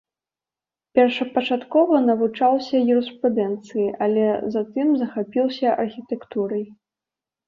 Першапачаткова навучаўся юрыспрудэнцыі, але затым захапіўся архітэктурай.